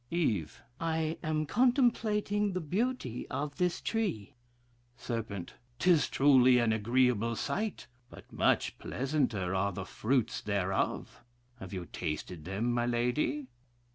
"Eve. I am contemplating the beauty of this tree. "Serp. 'Tis truly an agreeable sight, but much pleasanter are the fruits thereof. Have you tasted them, my lady?